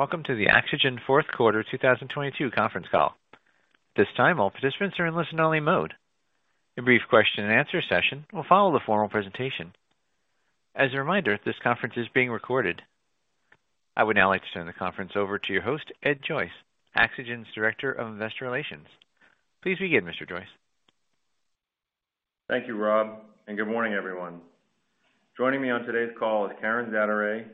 Welcome to the AxoGen Q4 2022 conference call. This time, all participants are in listen only mode. A brief question and answer session will follow the formal presentation. As a reminder, this conference is being recorded. I would now like to turn the conference over to your host, Ed Joyce, AxoGen's Director of Investor Relations. Please begin Mr. Joyce. Thank you, Rob, and good morning, everyone. Joining me on today's call is Karen Zaderej,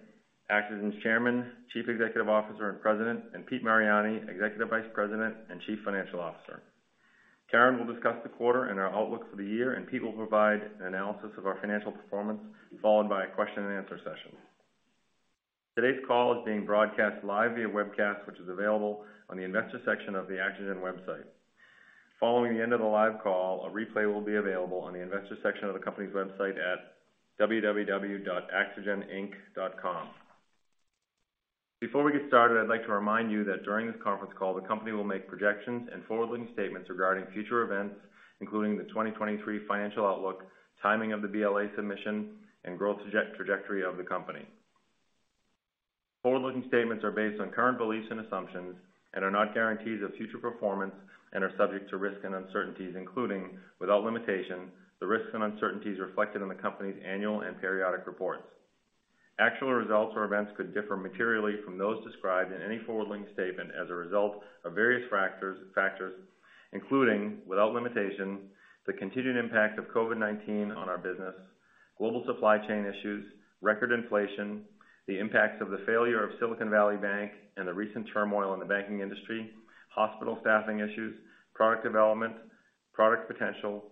AxoGen's Chairman, Chief Executive Officer, and President, Pete Mariani, Executive Vice President and Chief Financial Officer. Karen will discuss the quarter and our outlook for the year, Pete will provide an analysis of our financial performance, followed by a question and answer session. Today's call is being broadcast live via webcast, which is available on the investor section of the AxoGen website. Following the end of the live call, a replay will be available on the investor section of the company's website at www.axogeninc.com. Before we get started, I'd like to remind you that during this conference call, the company will make projections and forward-looking statements regarding future events, including the 2023 financial outlook, timing of the BLA submission, and growth trajectory of the company. Forward-looking statements are based on current beliefs and assumptions and are not guarantees of future performance and are subject to risks and uncertainties, including, without limitation, the risks and uncertainties reflected in the Company's annual and periodic reports. Actual results or events could differ materially from those described in any forward-looking statement as a result of various factors including, without limitation, the continued impact of COVID-19 on our business, global supply chain issues, record inflation, the impacts of the failure of Silicon Valley Bank and the recent turmoil in the banking industry, hospital staffing issues, product development, product potential,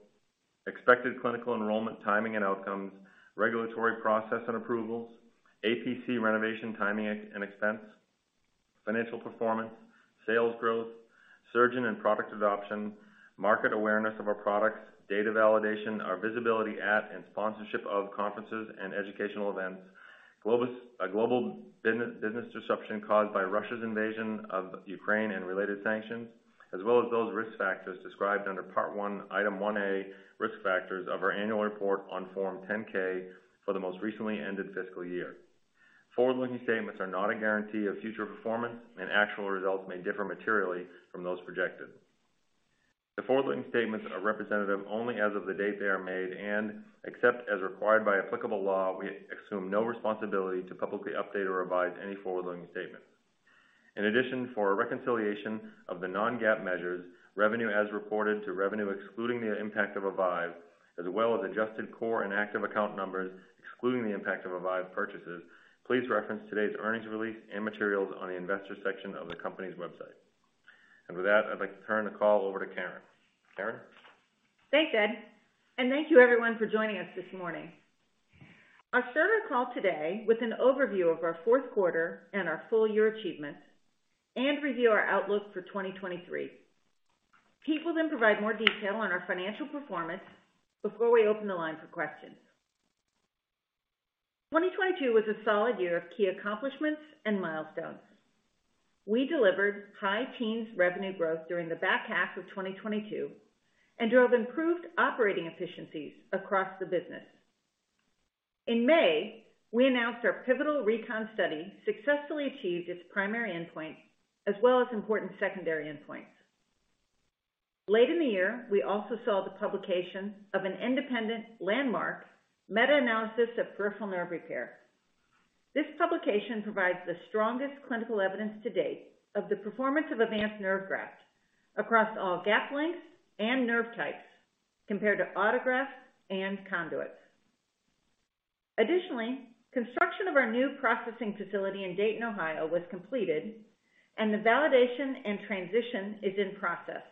expected clinical enrollment, timing and outcomes, regulatory process and approvals, APC renovation timing and expense, financial performance, sales growth, surgeon and product adoption, market awareness of our products, data validation, our visibility at, and sponsorship of conferences and educational events, global business disruption caused by Russia's invasion of Ukraine and related sanctions, as well as those risk factors described under Part One, Item One A, Risk Factors, of our annual report on Form 10-K for the most recent,y ended fiscal year. Forward-looking statements are not a guarantee of future performance, and actual results may differ materially from those projected. The forward-looking statements are representative only as of the date they are made, and except as required by applicable law, we assume no responsibility to publicly update or revise any forward-looking statement. In addition, for a reconciliation of the non-GAAP measures, revenue as reported to revenue excluding the impact of Avive, as well as adjusted core and active account numbers excluding the impact of Avive purchases, please reference today's earnings release and materials on the investor section of the company's website. With that, I'd like to turn the call over to Karen. Karen. Thanks, Ed, and thank you everyone for joining us this morning. I'll start our call today with an overview of our Q4 and our full year achievements and review our outlook for 2023. Pete will then provide more detail on our financial performance before we open the line for questions. 2022 was a solid year of key accomplishments and milestones. We delivered high teens revenue growth during the back half of 2022 and drove improved operating efficiencies across the business. In May, we announced our pivotal RECON study successfully achieved its primary endpoint as well as important secondary endpoints. Late in the year, we also saw the publication of an independent landmark meta-analysis of peripheral nerve repair. This publication provides the strongest clinical evidence to date of the performance of Avance Nerve Graft across all gap lengths and nerve types compared to autografts and conduits. Additionally, construction of our new processing facility in Dayton, Ohio, was completed and the validation and transition is in process.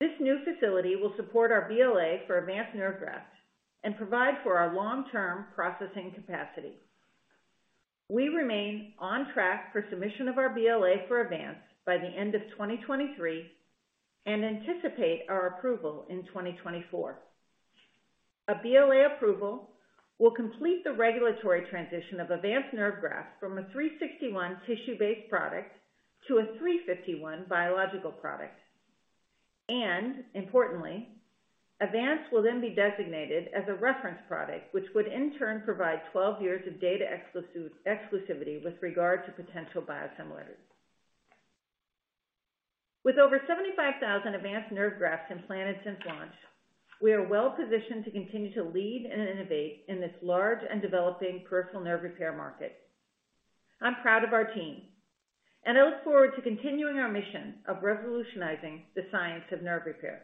This new facility will support our BLA for Avance Nerve Graft and provide for our long-term processing capacity. We remain on track for submission of our BLA for Avance by the end of 2023 and anticipate our approval in 2024. A BLA approval will complete the regulatory transition of Avance Nerve Graft from a Section 361 tissue-based product to a Section 351 biological product. Importantly, Avance will then be designated as a reference product, which would in turn provide 12 years of data exclusivity with regard to potential biosimilars. With over 75,000 Avance Nerve Grafts implanted since launch, we are well positioned to continue to lead and innovate in this large and developing peripheral nerve repair market. I'm proud of our team, and I look forward to continuing our mission of revolutionizing the science of nerve repair.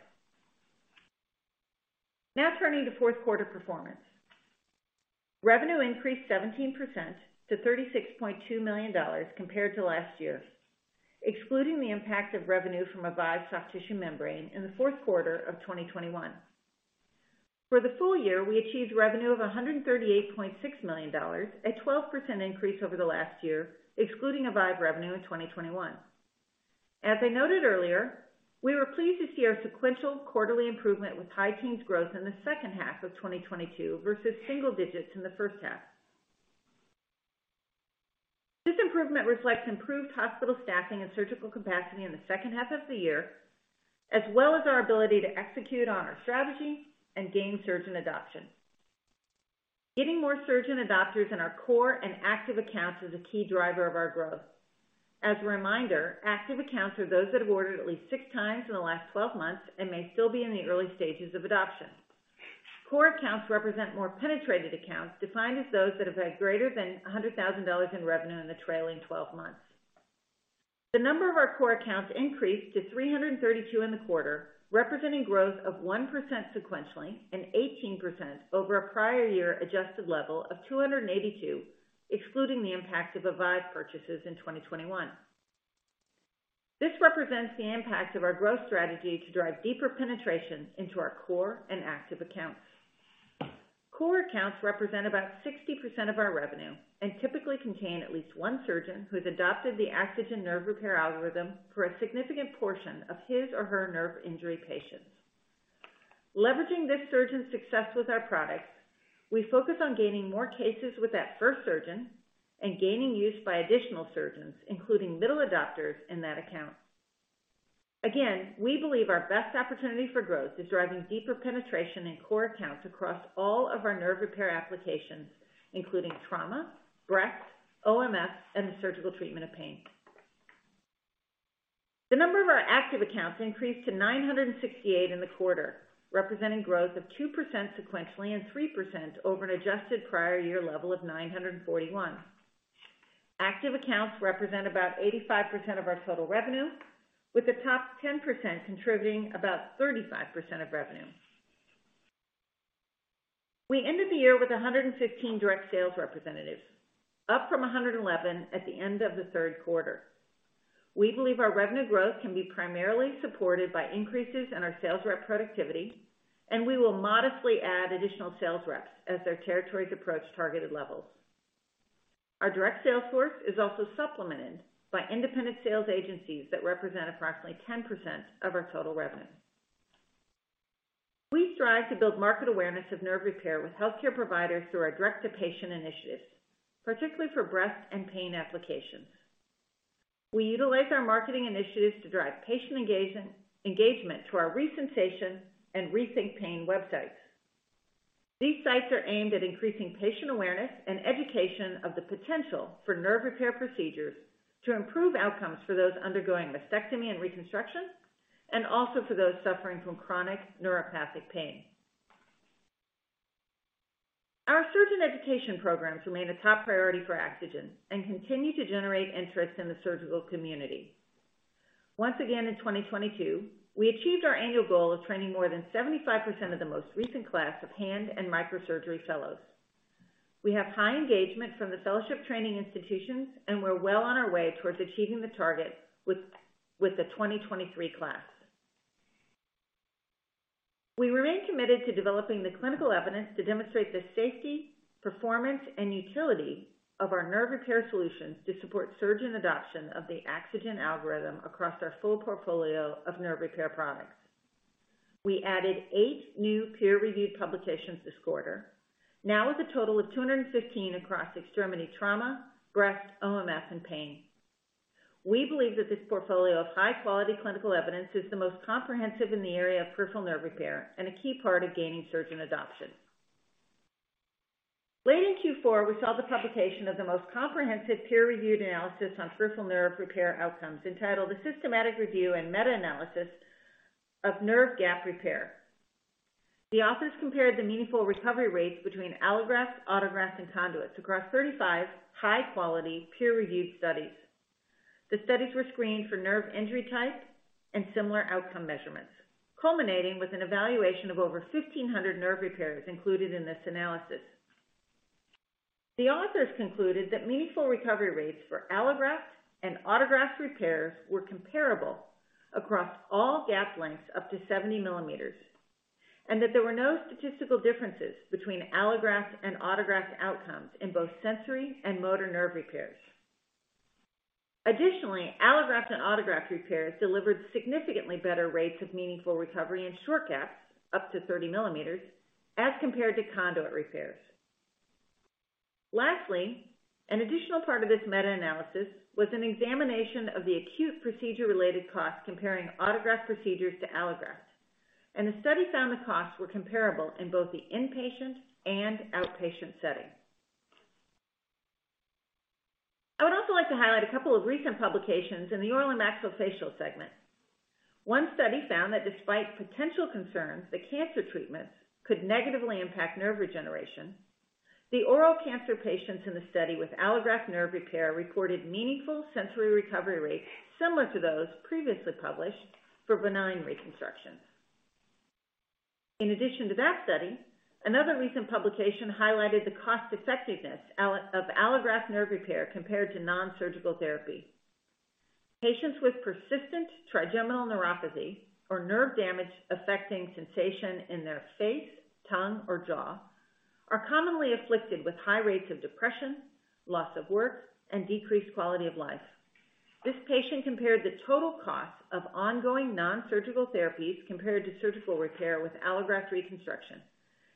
Now, turning to Q4 performance. Revenue increased 17% to $36.2 million compared to last year, excluding the impact of revenue from Avive Soft Tissue Membrane in the Q4 of 2021. For the full year, we achieved revenue of $138.6 million, a 12% increase over the last year, excluding Avive revenue in 2021. As I noted earlier, we were pleased to see our sequential quarterly improvement with high teens growth in the second half of 2022 versus single digits in the first half. This improvement reflects improved hospital staffing and surgical capacity in the second half of the year, as well as our ability to execute on our strategy and gain surgeon adoption. Getting more surgeon adopters in our core and active accounts is a key driver of our growth. As a reminder, active accounts are those that have ordered at least 6 times in the last 12 months and may still be in the early stages of adoption. Core accounts represent more penetrated accounts, defined as those that have had greater than $100,000 in revenue in the trailing 12 months. The number of our core accounts increased to 332 in the quarter, representing growth of 1% sequentially and 18% over a prior year adjusted level of 282, excluding the impact of Avive purchases in 2021. This represents the impact of our growth strategy to drive deeper penetration into our core and active accounts. Core accounts represent about 60% of our revenue and typically contain at least one surgeon who has adopted the AxoGen nerve repair algorithm for a significant portion of his or her nerve injury patients. Leveraging this surgeon's success with our products, we focus on gaining more cases with that first surgeon and gaining use by additional surgeons, including late adopters in that account. We believe our best opportunity for growth is driving deeper penetration in core accounts across all of our nerve repair applications, including trauma, breast, OMF and the surgical treatment of pain. The number of our active accounts increased to 968 in the quarter, representing growth of 2% sequentially and 3% over an adjusted prior year level of 941. Active accounts represent about 85% of our total revenue, with the top 10% contributing about 35% of revenue. We ended the year with 115 direct sales representatives, up from 111 at the end of the Q3. We believe our revenue growth can be primarily supported by increases in our sales rep productivity, and we will modestly add additional sales reps as their territories approach targeted levels. Our direct sales force is also supplemented by independent sales agencies that represent approximately 10% of our total revenue. We strive to build market awareness of nerve repair with healthcare providers through our direct-to-patient initiatives, particularly for breast and pain applications. We utilize our marketing initiatives to drive patient engagement to our Resensation and Rethink Pain websites. These sites are aimed at increasing patient awareness and education of the potential for nerve repair procedures to improve outcomes for those undergoing mastectomy and reconstruction and also for those suffering from chronic neuropathic pain. Our surgeon education programs remain a top priority for AxoGen and continue to generate interest in the surgical community. Once again, in 2022, we achieved our annual goal of training more than 75% of the most recent class of hand and microsurgery fellows. We have high engagement from the fellowship training institutions, we're well on our way towards achieving the target with the 2023 class. We remain committed to developing the clinical evidence to demonstrate the safety, performance, and utility of our nerve repair solutions to support surgeon adoption of the AxoGen algorithm across our full portfolio of nerve repair products. We added eight new peer-reviewed publications this quarter, now with a total of 215 across extremity trauma, breast, OMF and pain. We believe that this portfolio of high-quality clinical evidence is the most comprehensive in the area of peripheral nerve repair and a key part of gaining surgeon adoption. Late in Q4, we saw the publication of the most comprehensive peer-reviewed analysis on peripheral nerve repair outcomes entitled "A Systematic Review and Meta-Analysis of Nerve Gap Repair." The authors compared the meaningful recovery rates between allografts, autografts, and conduits across 35 high-quality peer-reviewed studies. The studies were screened for nerve injury type and similar outcome measurements, culminating with an evaluation of over 1,500 nerve repairs included in this analysis. The authors concluded that meaningful recovery rates for allograft and autograft repairs were comparable across all gap lengths up to 70 mm, and that there were no statistical differences between allograft and autograft outcomes in both sensory and motor nerve repairs. Additionally, allograft and autograft repairs delivered significantly better rates of meaningful recovery in short gaps up to 30 mm as compared to conduit repairs. Lastly, an additional part of this meta-analysis was an examination of the acute procedure-related costs comparing autograft procedures to allograft, and the study found the costs were comparable in both the inpatient and outpatient setting. I would also like to highlight a couple of recent publications in the oral and maxillofacial segment. One study found that despite potential concerns that cancer treatments could negatively impact nerve regeneration, the oral cancer patients in the study with allograft nerve repair reported meaningful sensory recovery rates similar to those previously published for benign reconstruction. In addition to that study, another recent publication highlighted the cost-effectiveness of allograft nerve repair compared to non-surgical therapy. Patients with persistent trigeminal neuropathy or nerve damage affecting sensation in their face, tongue, or jaw, are commonly afflicted with high rates of depression, loss of work, and decreased quality of life. This patient compared the total cost of ongoing non-surgical therapies compared to surgical repair with allograft reconstruction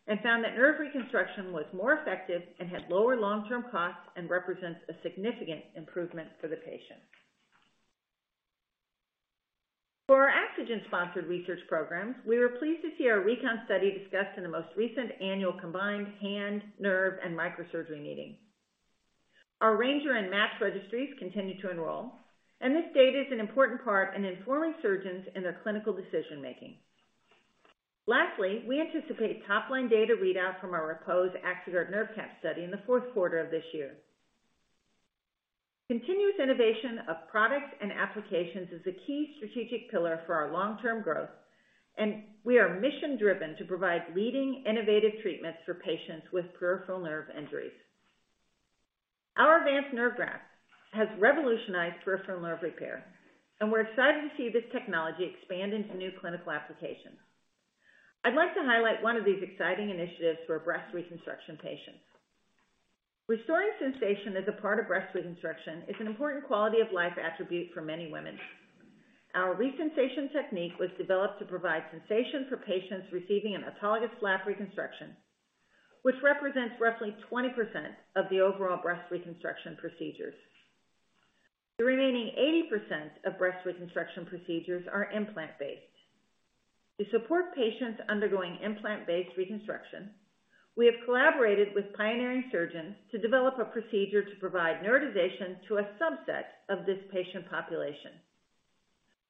and found that nerve reconstruction was more effective and had lower long-term costs and represents a significant improvement for the patient. For our AxoGen sponsored research programs, we were pleased to see our RECON study discussed in the most recent annual combined hand, nerve, and microsurgery meeting. Our RANGER and MATCH registries continue to enroll, and this data is an important part in informing surgeons in their clinical decision making. Lastly, we anticipate top-line data readout from our REPOSE AxoGuard Nerve Cap study in the Q4 of this year. Continuous innovation of products and applications is a key strategic pillar for our long-term growth, and we are mission-driven to provide leading innovative treatments for patients with peripheral nerve injuries. Our Avance Nerve Graft has revolutionized peripheral nerve repair, and we're excited to see this technology expand into new clinical applications. I'd like to highlight one of these exciting initiatives for breast reconstruction patients. Restoring sensation as a part of breast reconstruction is an important quality of life attribute for many women. Our Resensation technique was developed to provide sensation for patients receiving an autologous flap reconstruction, which represents roughly 20% of the overall breast reconstruction procedures. The remaining 80% of breast reconstruction procedures are implant-based. To support patients undergoing implant-based reconstruction, we have collaborated with pioneering surgeons to develop a procedure to provide neurotization to a subset of this patient population.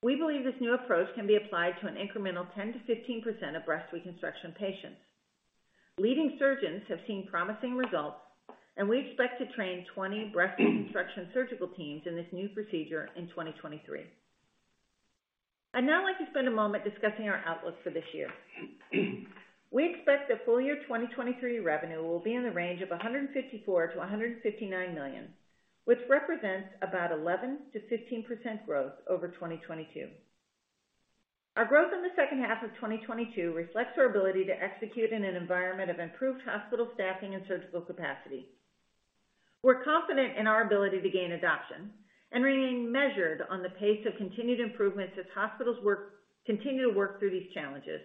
We believe this new approach can be applied to an incremental 10%-15% of breast reconstruction patients. Leading surgeons have seen promising results. We expect to train 20 breast reconstruction surgical teams in this new procedure in 2023. I'd now like to spend a moment discussing our outlook for this year. We expect that full year 2023 revenue will be in the range of $154 million-$159 million, which represents about 11%-15% growth over 2022. Our growth in the second half of 2022 reflects our ability to execute in an environment of improved hospital staffing and surgical capacity. We're confident in our ability to gain adoption and remain measured on the pace of continued improvements as hospitals continue to work through these challenges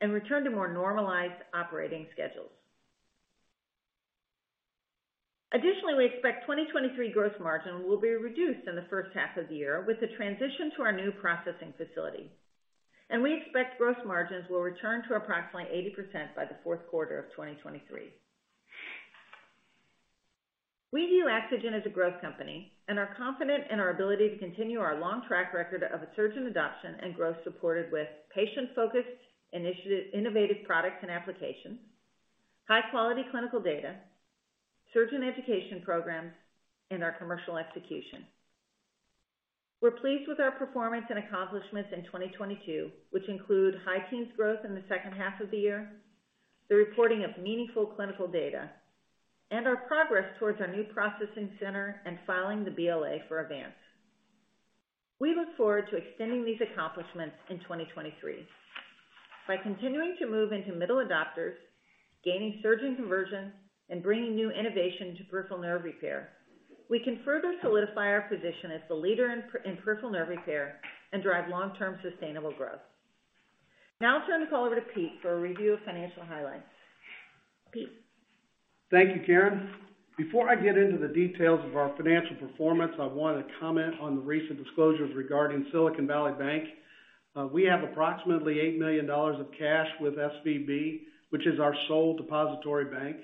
and return to more normalized operating schedules. We expect 2023 gross margin will be reduced in the first half of the year with the transition to our new processing facility. We expect gross margins will return to approximately 80% by the Q4 of 2023. We view AxoGen as a growth company and are confident in our ability to continue our long track record of a surgeon adoption and growth supported with patient-focused initiative-- innovative products and applications, high quality clinical data, surgeon education programs, and our commercial execution. We're pleased with our performance and accomplishments in 2022, which include high teens growth in the second half of the year, the reporting of meaningful clinical data, and our progress towards our new processing center and filing the BLA for Avance. We look forward to extending these accomplishments in 2023. By continuing to move into middle adopters, gaining surgeon conversions, and bringing new innovation to peripheral nerve repair, we can further solidify our position as the leader in peripheral nerve repair and drive long-term sustainable growth. I'll turn the call over to Pete for a review of financial highlights. Pete? Thank you, Karen. Before I get into the details of our financial performance, I want to comment on the recent disclosures regarding Silicon Valley Bank. We have approximately $8 million of cash with SVB, which is our sole depository bank.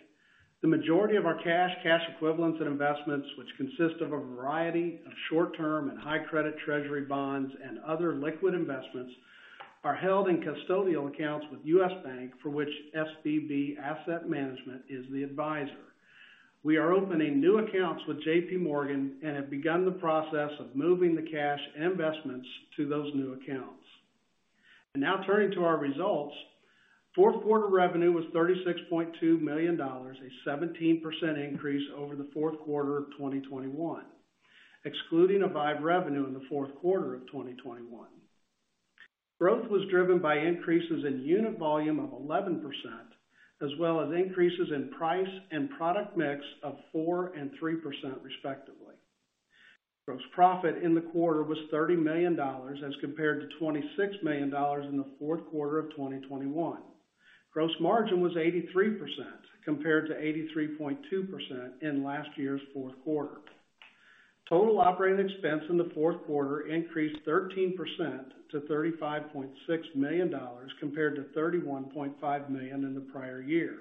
The majority of our cash equivalents, and investments, which consist of a variety of short-term and high credit Treasury bonds and other liquid investments, are held in custodial accounts with U.S. Bank, for which SVB Asset Management is the advisor. Now turning to our results. Q4 revenue was $36.2 million, a 17% increase over the Q4 of 2021, excluding Avive revenue in the Q4 of 2021. Growth was driven by increases in unit volume of 11%, as well as increases in price and product mix of 4% and 3% respectively. Gross profit in the quarter was $30 million as compared to $26 million in the Q4 of 2021. Gross margin was 83%, compared to 83.2% in last year's Q4. Total operating expense in the Q4 increased 13% to $35.6 million, compared to $31.5 million in the prior year.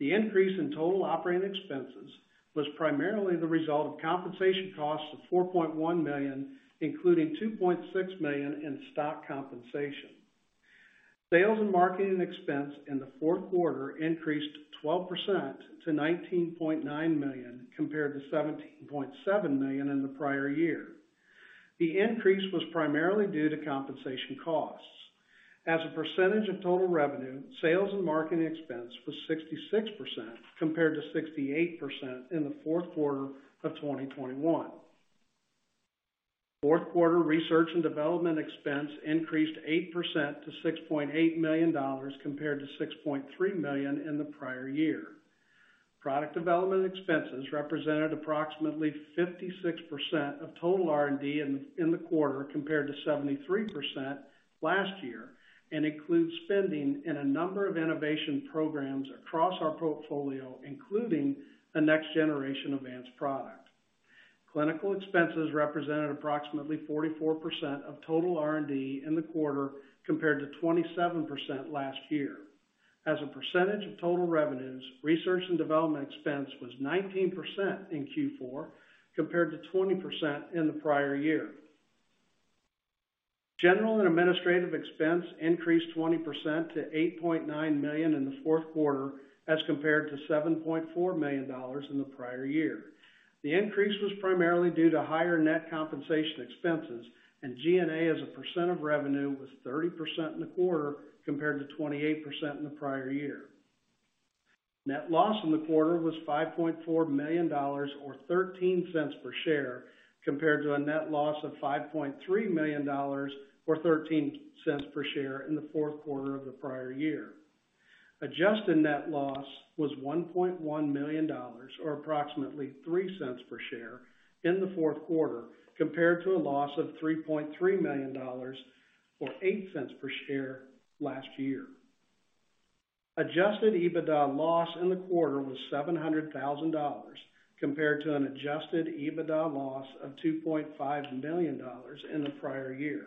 The increase in total operating expenses was primarily the result of compensation costs of $4.1 million, including $2.6 million in stock compensation. Sales and marketing expense in the Q4 increased 12% to $19.9 million, compared to $17.7 million in the prior year. The increase was primarily due to compensation costs. As a percentage of total revenue, sales and marketing expense was 66%, compared to 68% in the Q4 of 2021. Q4 research and development expense increased 8% to $6.8 million, compared to $6.3 million in the prior year. Product development expenses represented approximately 56% of total R&D in the quarter, compared to 73% last year and includes spending in a number of innovation programs across our portfolio, including the next generation Avance product. Clinical expenses represented approximately 44% of total R&D in the quarter, compared to 27% last year. As a percentage of total revenues, research and development expense was 19% in Q4, compared to 20% in the prior year. General and administrative expense increased 20% to $8.9 million in the Q4, as compared to $7.4 million in the prior year. The increase was primarily due to higher net compensation expenses and G&A as a percent of revenue was 30% in the quarter, compared to 28% in the prior year. Net loss in the quarter was $5.4 million or $0.13 per share, compared to a net loss of $5.3 million or $0.13 per share in the Q4 of the prior year. Adjusted net loss was $1.1 million or approximately $0.03 per share in the Q4 compared to a loss of $3.3 million or $0.08 per share last year. Adjusted EBITDA loss in the quarter was $700,000, compared to an Adjusted EBITDA loss of $2.5 million in the prior year.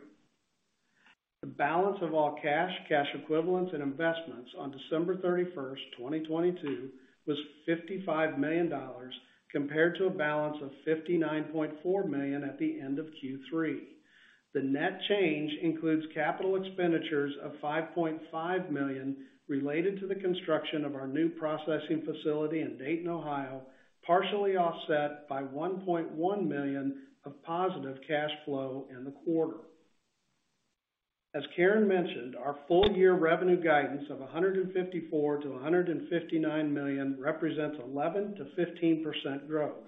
The balance of all cash equivalents and investments on December 31, 2022 was $55 million, compared to a balance of $59.4 million at the end of Q3. The net change includes capital expenditures of $5.5 million related to the construction of our new processing facility in Dayton, Ohio, partially offset by $1.1 million of positive cash flow in the quarter. As Karen mentioned, our full year revenue guidance of $154 million-$159 million represents 11%-15% growth.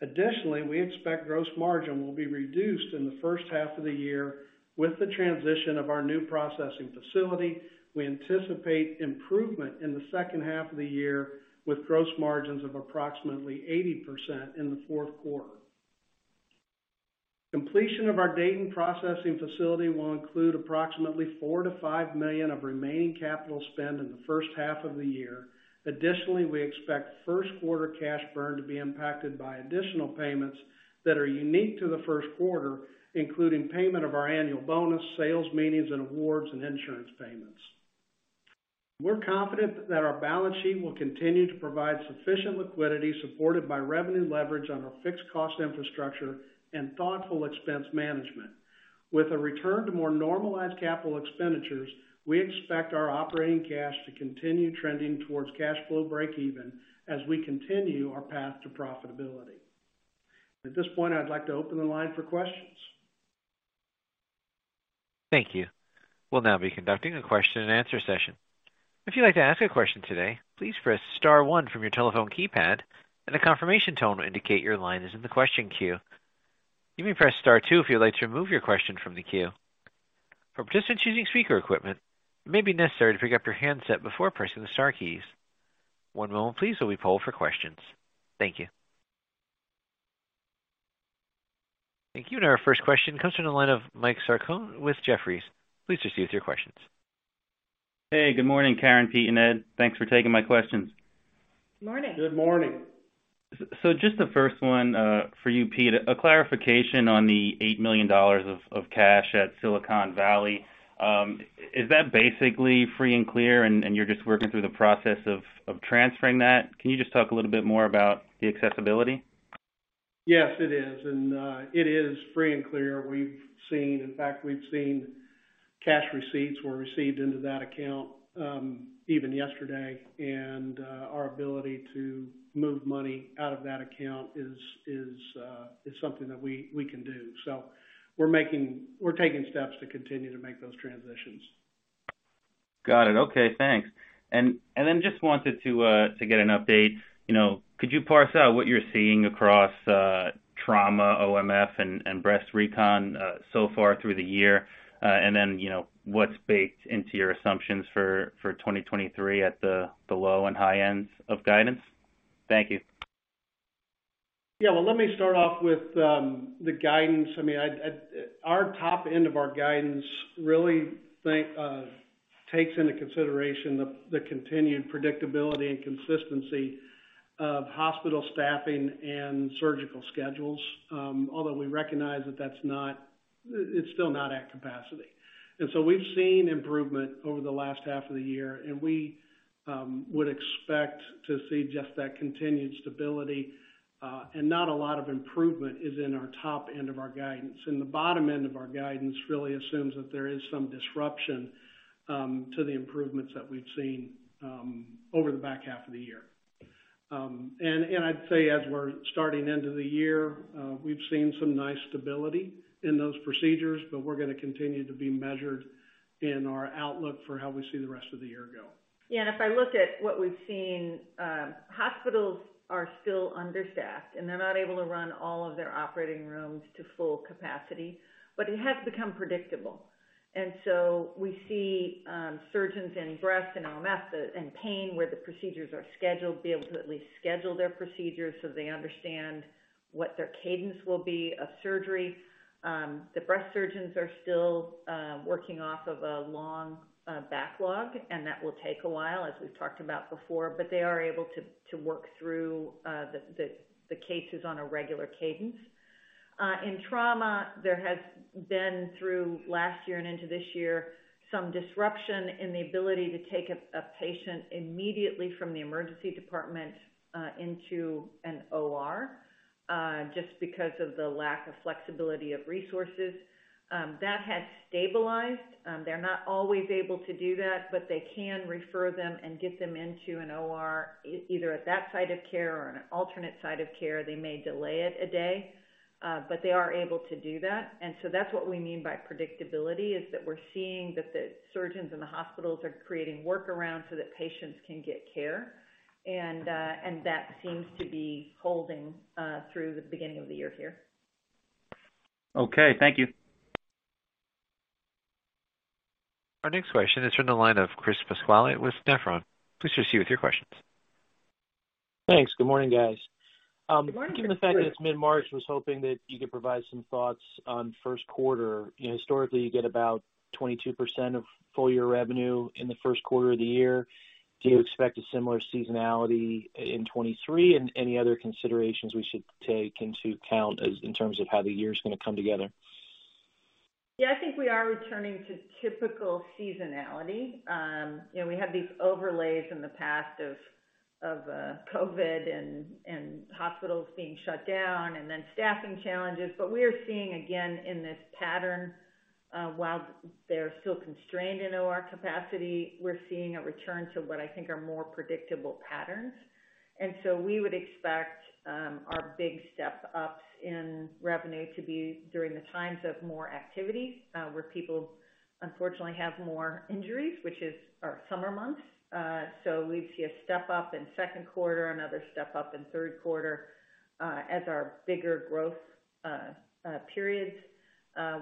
We expect gross margin will be reduced in the first half of the year with the transition of our new processing facility. We anticipate improvement in the second half of the year with gross margins of approximately 80% in the Q4. Completion of our Dayton processing facility will include approximately $4 million-$5 million of remaining capital spend in the first half of the year. Additionally, we expect Q1 cash burn to be impacted by additional payments that are unique to the Q1, including payment of our annual bonus, sales meetings and awards and insurance payments. We're confident that our balance sheet will continue to provide sufficient liquidity supported by revenue leverage on our fixed cost infrastructure and thoughtful expense management. With a return to more normalized capital expenditures, we expect our operating cash to continue trending towards cash flow break even as we continue our path to profitability. At this point, I'd like to open the line for questions. Thank you. We'll now be conducting a question and answer session. If you'd like to ask a question today, please press star one from your telephone keypad and a confirmation tone will indicate your line is in the question queue. You may press star two if you'd like to remove your question from the queue. For participants using speaker equipment, it may be necessary to pick up your handset before pressing the star keys. One moment please while we poll for questions. Thank you. Thank you. Our first question comes from the line of Michael Sarcone with Jefferies. Please proceed with your questions. Hey, good morning, Karen, Pete and Ed. Thanks for taking my questions. Morning. Good morning. Just the first one, for you, Pete, a clarification on the $8 million of cash at Silicon Valley. Is that basically free and clear and you're just working through the process of transferring that? Can you just talk a little bit more about the accessibility? Yes, it is. It is free and clear. In fact, we've seen cash receipts were received into that account even yesterday. Our ability to move money out of that account is something that we can do. We're taking steps to continue to make those transitions. Got it. Okay, thanks. Then just wanted to get an update. You know, could you parse out what you're seeing across trauma, OMF and breast recon so far through the year? Then, you know, what's baked into your assumptions for 2023 at the low and high ends of guidance? Thank you. Yeah. Well, let me start off with the guidance. I mean, our top end of our guidance really think takes into consideration the continued predictability and consistency of hospital staffing and surgical schedules. Although we recognize that that's not... It's still not at capacity. So we've seen improvement over the last half of the year and we would expect to see just that continued stability and not a lot of improvement is in our top end of our guidance. The bottom end of our guidance really assumes that there is some disruption to the improvements that we've seen over the back half of the year. I'd say as we're starting into the year, we've seen some nice stability in those procedures, but we're gonna continue to be measured in our outlook for how we see the rest of the year go. Yeah, if I look at what we've seen, hospitals are still understaffed and they're not able to run all of their operating rooms to full capacity, but it has become predictable. So we see Surgeons in breast and LMS and pain where the procedures are scheduled, be able to at least schedule their procedures so they understand what their cadence will be of surgery. The breast surgeons are still working off of a long backlog, and that will take a while, as we've talked about before, but they are able to work through the cases on a regular cadence. In trauma, there has been, through last year and into this year, some disruption in the ability to take a patient immediately from the emergency department into an OR, just because of the lack of flexibility of resources. That has stabilized. They're not always able to do that, but they can refer them and get them into an OR either at that site of care or on an alternate site of care. They may delay it a day, but they are able to do that. That's what we mean by predictability, is that we're seeing that the surgeons and the hospitals are creating workarounds so that patients can get care. That seems to be holding through the beginning of the year here. Okay. Thank you. Our next question is from the line of Chris Pasquale with Nephron. Please proceed with your questions. Thanks. Good morning, guys. Given the fact that it's mid-March, I was hoping that you could provide some thoughts on Q1. You know, historically, you get about 22% of full year revenue in the Q1 of the year. Do you expect a similar seasonality in 2023? Any other considerations we should take into account as in terms of how the year is gonna come together? Yeah, I think we are returning to typical seasonality. You know, we had these overlays in the past of COVID and hospitals being shut down and then staffing challenges. We are seeing, again, in this pattern, while they're still constrained in OR capacity, we're seeing a return to what I think are more predictable patterns. We would expect our big step-ups in revenue to be during the times of more activity, where people unfortunately have more injuries, which is our summer months. So we see a step-up in second quarter, another step-up in Q3, as our bigger growth periods,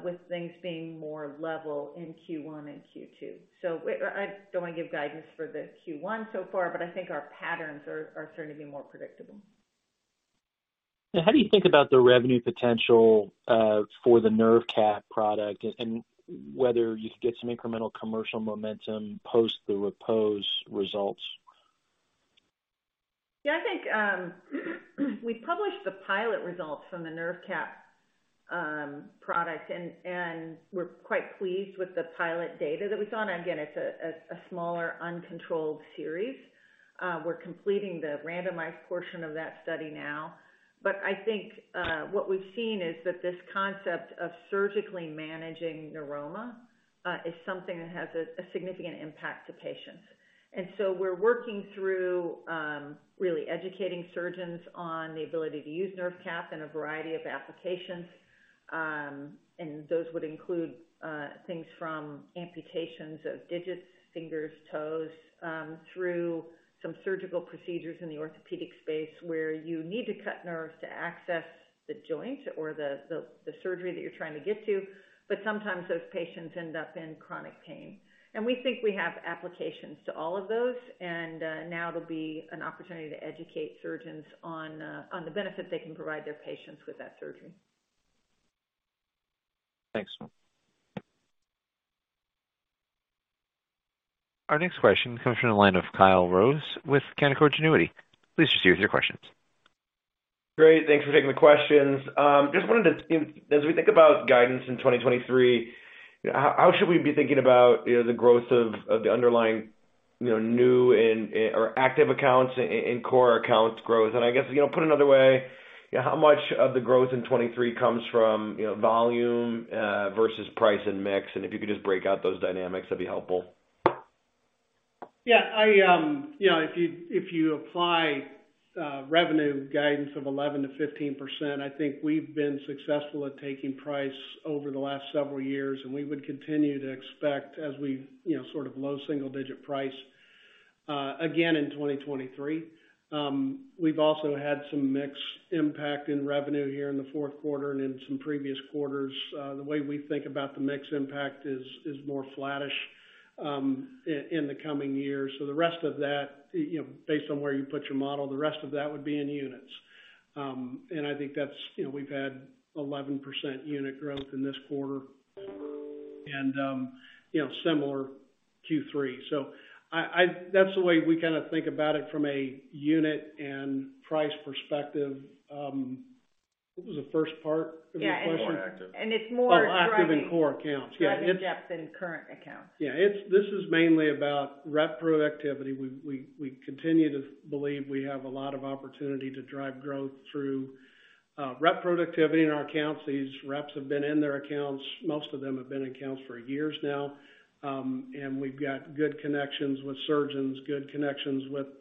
with things being more level in Q1 and Q2. I don't want to give guidance for the Q1 so far, but I think our patterns are starting to be more predictable. How do you think about the revenue potential, for the Nerve Cap product and whether you could get some incremental commercial momentum post the REPOSE results? Yeah, I think, we published the pilot results from the Nerve Cap product, and we're quite pleased with the pilot data that we saw. Again, it's a smaller, uncontrolled series. We're completing the randomized portion of that study now. I think, what we've seen is that this concept of surgically managing neuroma, is something that has a significant impact to patients. So we're working through, really educating surgeons on the ability to use Nerve Cap in a variety of applications. Those would include, things from amputations of digits, fingers, toes, through some surgical procedures in the orthopedic space where you need to cut nerves to access the joint or the surgery that you're trying to get to, but sometimes those patients end up in chronic pain. We think we have applications to all of those. Now it'll be an opportunity to educate surgeons on the benefit they can provide their patients with that surgery. Thanks. Our next question comes from the line of Kyle Rose with Canaccord Genuity. Please proceed with your questions. Great. Thanks for taking the questions. Just wanted to, you know, as we think about guidance in 2023, you know, how should we be thinking about, you know, the growth of the underlying, you know, new and or active accounts and core accounts growth? I guess, you know, put another way, you know, how much of the growth in 2023 comes from, you know, volume versus price and mix? If you could just break out those dynamics, that'd be helpful. Yeah. I, you know, if you apply revenue guidance of 11%-15%, I think we've been successful at taking price over the last several years, and we would continue to expect as we, you know, sort of low single-digit price again in 2023. We've also had some mix impact in revenue here in the Q4 and in some previous quarters. The way we think about the mix impact is more flattish in the coming years. The rest of that, you know, based on where you put your model, the rest of that would be in units. I think that's, you know, we've had 11% unit growth in this quarter and, you know, similar Q3. I, that's the way we kinda think about it from a unit and price perspective. What was the first part of your question? Yeah, and it- More active. it's more driving- Oh, active and core accounts. Yeah. Driving depth in current accounts. Yeah. This is mainly about rep productivity. We continue to believe we have a lot of opportunity to drive growth through rep productivity in our accounts. These reps have been in their accounts, most of them have been in accounts for years now. We've got good connections with surgeons, good connections with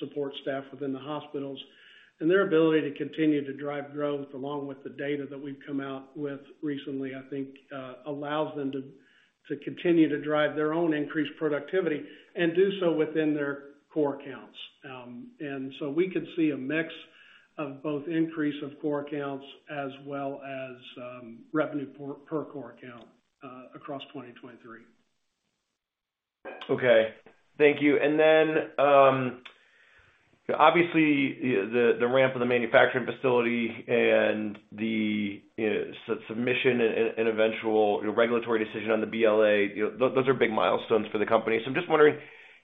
support staff within the hospitals. Their ability to continue to drive growth, along with the data that we've come out with recently, I think, allows them to continue to drive their own increased productivity and do so within their core accounts. We could see a mix of both increase of core accounts as well as revenue per core account across 2023. Okay. Thank you. Obviously, the ramp of the manufacturing facility and the submission and eventual regulatory decision on the BLA, you know, those are big milestones for the company. I'm just wondering,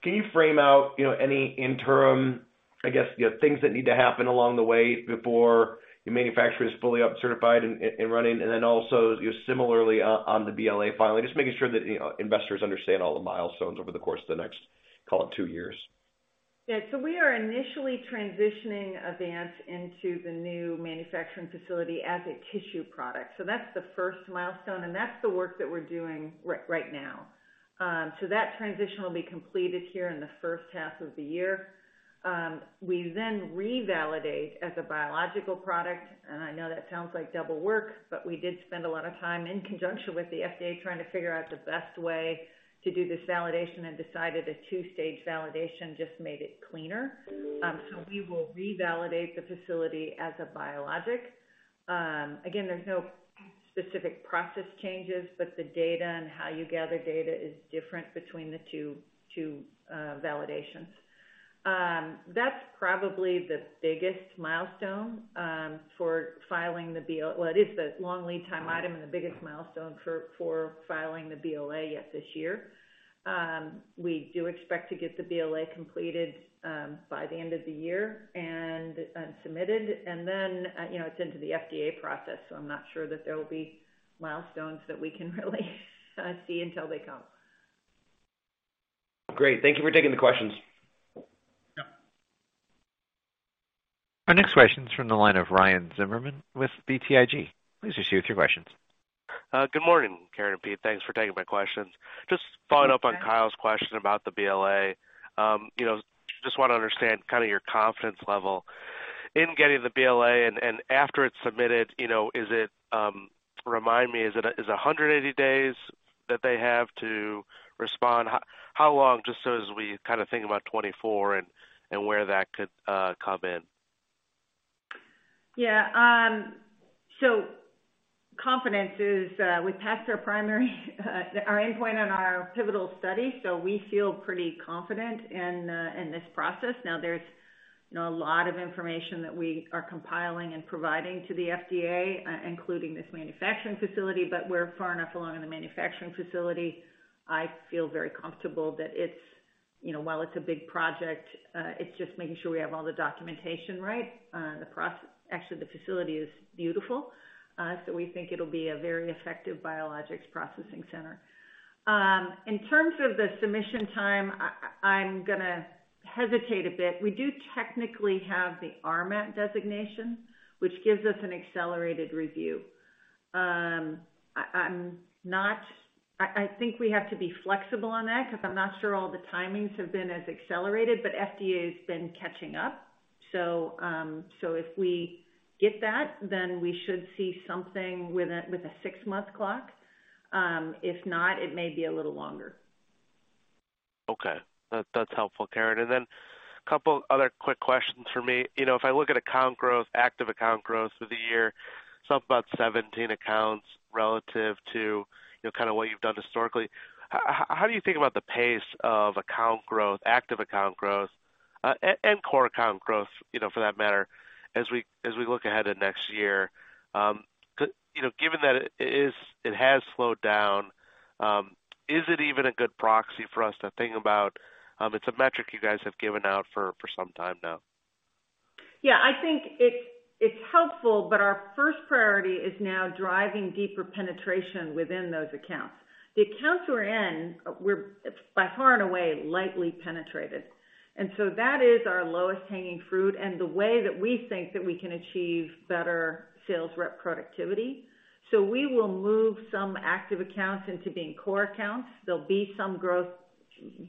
can you frame out, you know, any interim, I guess, you know, things that need to happen along the way before your manufacturer is fully up, certified, and running, and then also similarly on the BLA filing, just making sure that, you know, investors understand all the milestones over the course of the next, call it, two years. Yeah. We are initially transitioning Avance into the new manufacturing facility as a tissue product. That's the first milestone, and that's the work that we're doing right now. That transition will be completed here in the first half of the year. We revalidate as a biological product. I know that sounds like double work, but we did spend a lot of time in conjunction with the FDA trying to figure out the best way to do this validation and decided a 2-stage validation just made it cleaner. We will revalidate the facility as a biologic. Again, there's no specific process changes, but the data and how you gather data is different between the two validations. That's probably the biggest milestone for filing the BLA. Well, it is the long lead time item and the biggest milestone for filing the BLA, yes, this year. We do expect to get the BLA completed by the end of the year and submitted. You know, it's into the FDA process, so I'm not sure that there will be milestones that we can really see until they come. Great. Thank you for taking the questions. Yeah. Our next question is from the line of Ryan Zimmerman with BTIG. Please proceed with your questions. Good morning, Karen and Pete. Thanks for taking my questions. Just following up on Kyle's question about the BLA, you know, just want to understand kind of your confidence level in getting the BLA, and after it's submitted, you know, is it, remind me, is it, is it 180 days that they have to respond? How long, just so as we kind of think about 2024 and where that could come in? Yeah. Confidence is, we passed our primary, our endpoint on our pivotal study, so we feel pretty confident in this process. There's, you know, a lot of information that we are compiling and providing to the FDA, including this manufacturing facility, but we're far enough along in the manufacturing facility. I feel very comfortable that it's, you know, while it's a big project, it's just making sure we have all the documentation right. Actually, the facility is beautiful, so we think it'll be a very effective biologics processing center. In terms of the submission time, I'm gonna hesitate a bit. We do technically have the RMAT designation, which gives us an accelerated review. I think we have to be flexible on that because I'm not sure all the timings have been as accelerated, but FDA has been catching up. If we get that, then we should see something with a 6-month clock. If not, it may be a little longer. Okay. That's helpful, Karen. Then a couple other quick questions for me. You know, if I look at account growth, active account growth for the year, it's up about 17 accounts relative to, you know, kind of what you've done historically. How do you think about the pace of account growth, active account growth, and core account growth, you know, for that matter, as we, as we look ahead to next year? You know, given that it is, it has slowed down, is it even a good proxy for us to think about? It's a metric you guys have given out for some time now. Yeah. I think it's helpful, but our first priority is now driving deeper penetration within those accounts. The accounts we're in, we're by far and away lightly penetrated. That is our lowest hanging fruit and the way that we think that we can achieve better sales rep productivity. We will move some active accounts into being core accounts. There'll be some growth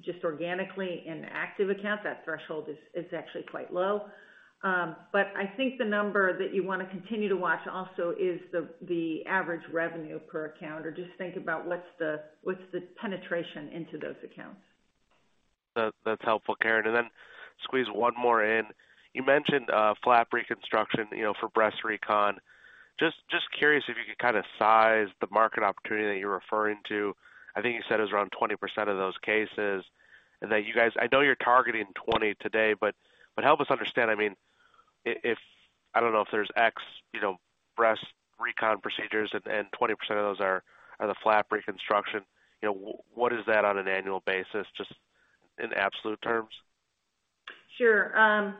just organically in active accounts. That threshold is actually quite low. I think the number that you want to continue to watch also is the average revenue per account or just think about what's the, what's the penetration into those accounts. That's helpful, Karen. Then squeeze one more in. You mentioned flap reconstruction, you know, for breast recon. Just curious if you could kind of size the market opportunity that you're referring to. I think you said it was around 20% of those cases and that you guys I know you're targeting 20 today, but help us understand, I mean, if I don't know if there's X, you know, breast recon procedures and 20% of those are the flap reconstruction, you know, what is that on an annual basis, just in absolute terms? Sure. I'm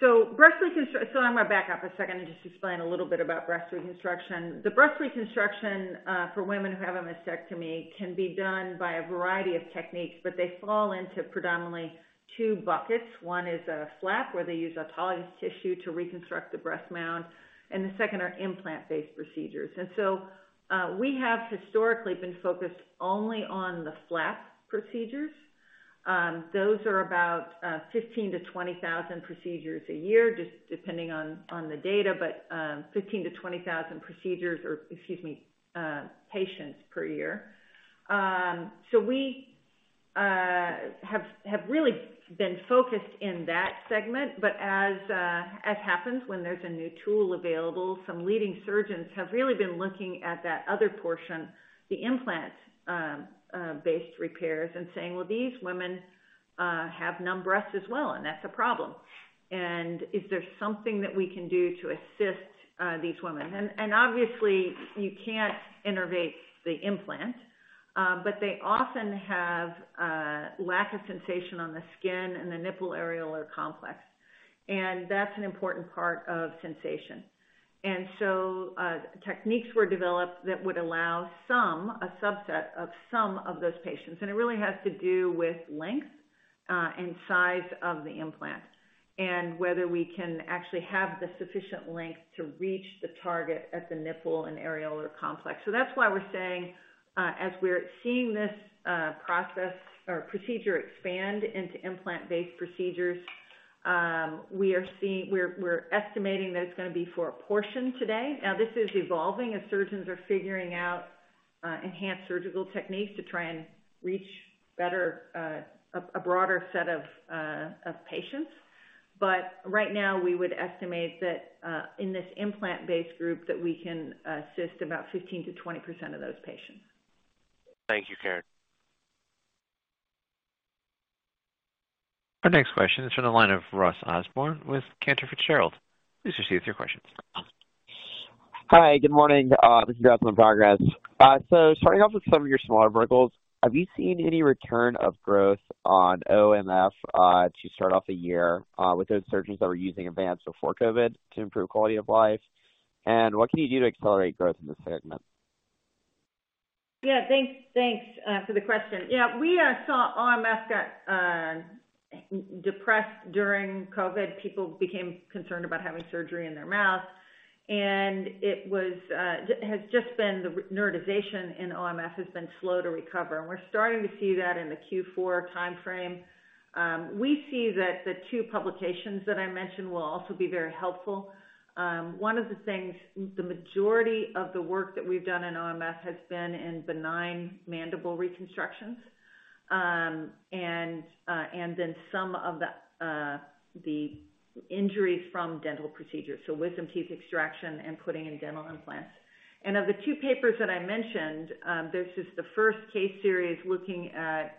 going to back up a second and just explain a little bit about breast reconstruction. The breast reconstruction for women who have a mastectomy can be done by a variety of techniques, but they fall into predominantly two buckets. One is a flap, where they use autologous tissue to reconstruct the breast mound, and the second are implant-based procedures. We have historically been focused only on the flap procedures. Those are about 15,000-20,000 procedures a year, just depending on the data, but 15,000-20,000 procedures or, excuse me, patients per year. We have really been focused in that segment. As happens when there's a new tool available, some leading surgeons have really been looking at that other portion, the implant based repairs, and saying, "Well, these women have numb breasts as well, and that's a problem. Is there something that we can do to assist these women?" Obviously, you can't innervate the implant, but they often have lack of sensation on the skin and the nipple areolar complex, and that's an important part of sensation. Techniques were developed that would allow some, a subset of some of those patients. It really has to do with length and size of the implant and whether we can actually have the sufficient length to reach the target at the nipple and areolar complex. That's why we're saying, as we're seeing this process or procedure expand into implant-based procedures, we're estimating that it's gonna be for a portion today. Now, this is evolving as surgeons are figuring out enhanced surgical techniques to try and reach better, a broader set of patients. Right now, we would estimate that in this implant-based group, that we can assist about 15%-20% of those patients. Thank you, Karen. Our next question is from the line of Ross Osborn with Cantor Fitzgerald. Please proceed with your question. Hi, good morning. This is Ross from Progress. Starting off with some of your smaller verticals, have you seen any return of growth on OMF to start off the year with those surgeons that were using Avance before COVID to improve quality of life? What can you do to accelerate growth in this segment? Thanks, thanks for the question. We saw OMF got depressed during COVID. People became concerned about having surgery in their mouth, and it has just been the neurotization in OMF has been slow to recover. We're starting to see that in the Q4 timeframe. We see that the two publications that I mentioned will also be very helpful. One of the things, the majority of the work that we've done in OMF has been in benign mandible reconstructions, and then some of the injuries from dental procedures, so wisdom teeth extraction and putting in dental implants. Of the two papers that I mentioned, there's just the first case series looking at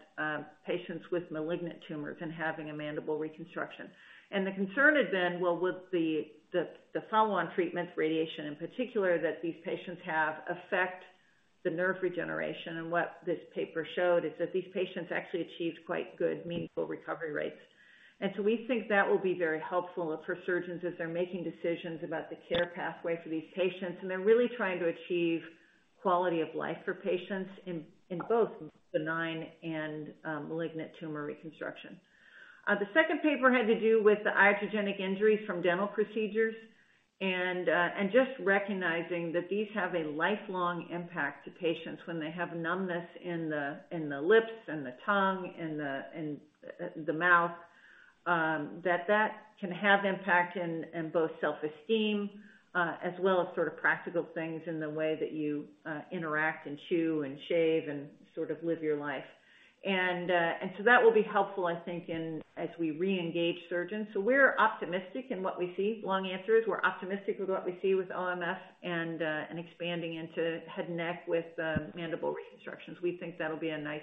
patients with malignant tumors and having a mandible reconstruction. The concern is then, well, would the follow-on treatments, radiation in particular, that these patients have affect the nerve regeneration? What this paper showed is that these patients actually achieved quite good, meaningful recovery rates. We think that will be very helpful for surgeons as they're making decisions about the care pathway for these patients, and they're really trying to achieve quality of life for patients in both benign and malignant tumor reconstruction. The second paper had to do with the iatrogenic injuries from dental procedures and just recognizing that these have a lifelong impact to patients when they have numbness in the lips and the tongue and the mouth, that can have impact in both self-esteem, as well as sort of practical things in the way that you interact and chew and shave and sort of live your life. So that will be helpful, I think, as we reengage surgeons. We're optimistic in what we see. Long answer is we're optimistic with what we see with OMF and expanding into head and neck with mandible reconstructions. We think that'll be a nice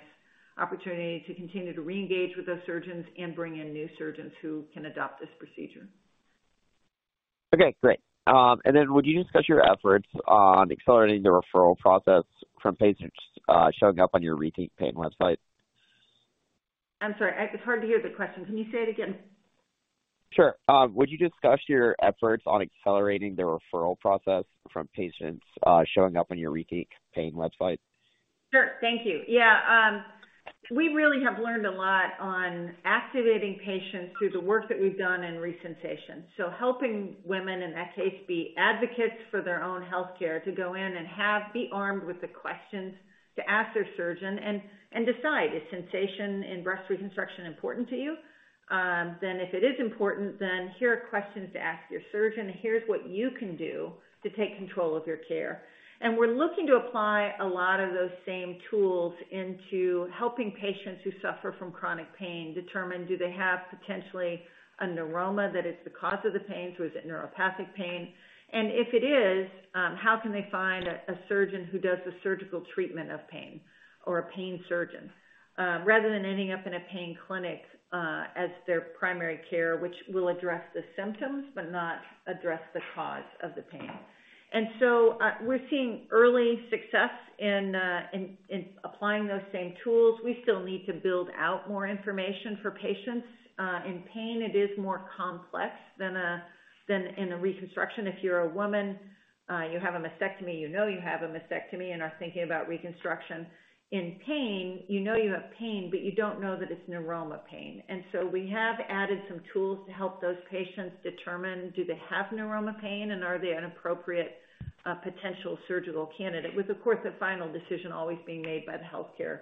opportunity to continue to reengage with those surgeons and bring in new surgeons who can adopt this procedure. Okay, great. Would you discuss your efforts on accelerating the referral process from patients, showing up on your Rethink Pain website? I'm sorry. It's hard to hear the question. Can you say it again? Sure. Would you discuss your efforts on accelerating the referral process from patients, showing up on your Rethink Pain website? Sure. Thank you. Yeah. We really have learned a lot on activating patients through the work that we've done in Resensation. Helping women, in that case, be advocates for their own healthcare to go in and be armed with the questions to ask their surgeon and decide, is sensation in breast reconstruction important to you? If it is important, then here are questions to ask your surgeon, and here's what you can do to take control of your care. We're looking to apply a lot of those same tools into helping patients who suffer from chronic pain determine do they have potentially a neuroma that is the cause of the pain, so is it neuropathic pain? If it is, how can they find a surgeon who does the surgical treatment of pain or a pain surgeon, rather than ending up in a pain clinic, as their primary care, which will address the symptoms but not address the cause of the pain. We're seeing early success in applying those same tools. We still need to build out more information for patients in pain. It is more complex than in a reconstruction. If you're a woman, you have a mastectomy, you know you have a mastectomy and are thinking about reconstruction. In pain, you know you have pain, but you don't know that it's neuroma pain. We have added some tools to help those patients determine do they have neuroma pain and are they an appropriate potential surgical candidate, with, of course, the final decision always being made by the healthcare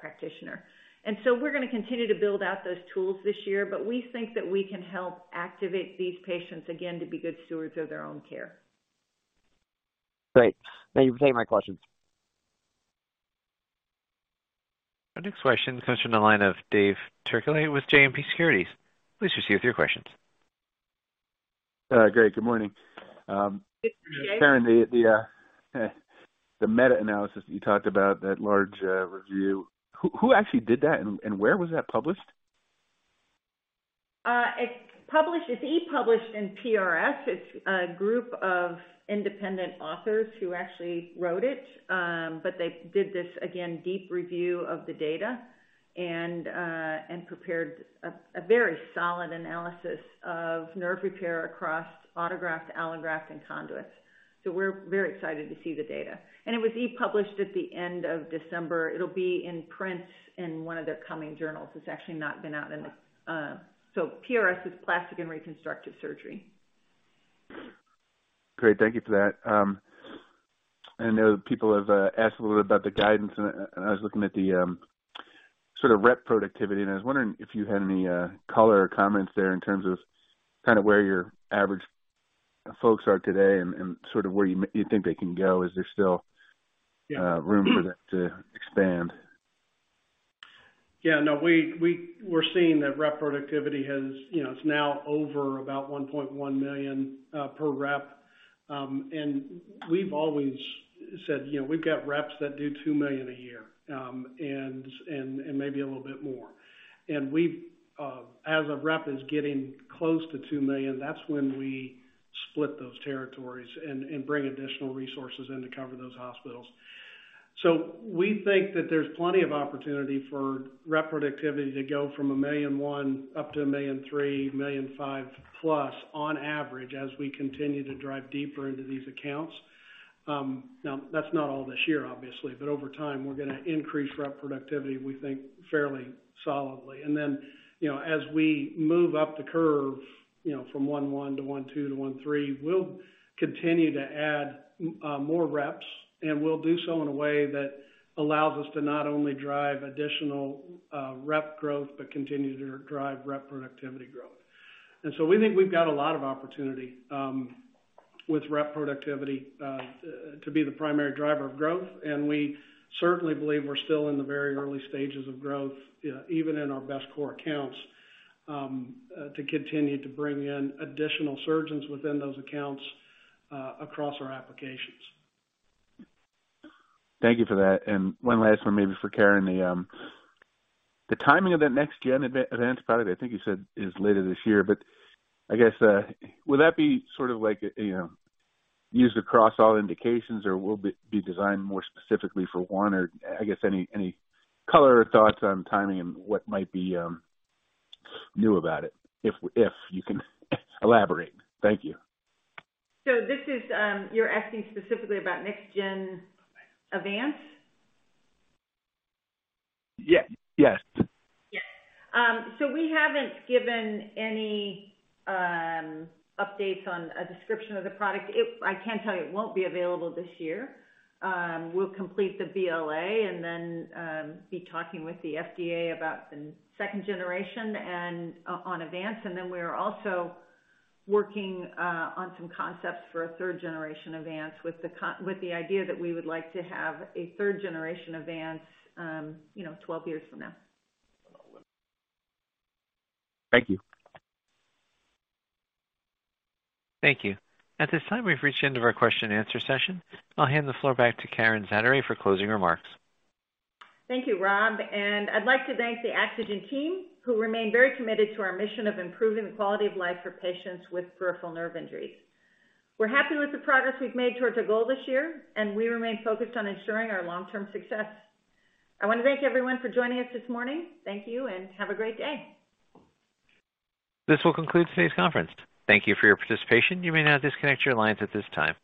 practitioner. We're gonna continue to build out those tools this year, but we think that we can help activate these patients, again, to be good stewards of their own care. Great. Thank you for taking my questions. Our next question comes from the line of David Turkaly with JMP Securities. Please proceed with your questions. great. Good morning. Good morning, Dave. Karen, the meta-analysis that you talked about, that large, review. Who actually did that? Where was that published? It published, it e-published in PRS. It's a group of independent authors who actually wrote it. They did this again, deep review of the data and prepared a very solid analysis of nerve repair across autograft, allograft, and conduits. We're very excited to see the data. It was e-published at the end of December. It'll be in print in one of their coming journals. It's actually not been out in the... PRS is Plastic and Reconstructive Surgery. Great. Thank you for that. I know people have asked a little bit about the guidance, and I was looking at the sort of rep productivity, and I was wondering if you had any color or comments there in terms of kind of where your average folks are today and sort of where you think they can go. Is there still- Yeah. room for them to expand? Yeah, no. We're seeing tha. Rep productivity has, you know, it's now over about $1.1 million per rep. We've always said, you know, we've got reps that do $2 million a year and maybe a little bit more. We've as a rep is getting close to $2 million, that's when we split those territories and bring additional resources in to cover those hospitals. We think that there's plenty of opportunity for rep productivity to go from $1.1 million up to $1.3 million, $1.5 million plus on average, as we continue to drive deeper into these accounts. Now that's not all this year, obviously, but over time, we're gonna increase rep productivity, we think, fairly solidly. You know, as we move up the curve, you know, from 1.1 to 1.2 to 1.3, we'll continue to add more reps, and we'll do so in a way that allows us to not only drive additional rep growth, but continue to drive rep productivity growth. We think we've got a lot of opportunity with rep productivity to be the primary driver of growth. We certainly believe we're still in the very early stages of growth, even in our best core accounts to continue to bring in additional surgeons within those accounts across our applications. Thank you for that. One last one maybe for Karen. The timing of that next-gen Avance product, I think you said is later this year, but I guess, will that be sort of like, you know, used across all indications or will be designed more specifically for one? Or I guess any color or thoughts on timing and what might be new about it, if you can elaborate. Thank you. This is, you're asking specifically about next-gen Avance? Yes. Yes. Yes. We haven't given any updates on a description of the product. I can tell you, it won't be available this year. We'll complete the BLA and then be talking with the FDA about some second generation and on Avance. We're also working on some concepts for a third generation Avance with the idea that we would like to have a third generation Avance, you know, 12 years from now. Thank you. Thank you. At this time, we've reached the end of our question and answer session. I'll hand the floor back to Karen Zaderej for closing remarks. Thank you, Rob, and I'd like to thank the AxoGen team, who remain very committed to our mission of improving the quality of life for patients with peripheral nerve injuries. We're happy with the progress we've made towards our goal this year, and we remain focused on ensuring our long-term success. I want to thank everyone for joining us this morning. Thank you, and have a great day. This will conclude today's conference. Thank you for your participation. You may now disconnect your lines at this time.